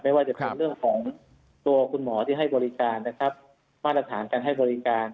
ว่าจะเป็นเรื่องของตัวคุณหมอที่ให้บริการนะครับมาตรฐานการให้บริการ